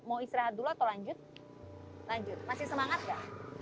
mau istirahat dulu atau lanjut lanjut masih semangat gak